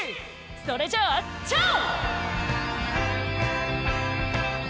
それじゃあチャオ！